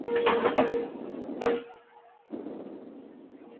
ورور ته هر وخت احوال ورکوې.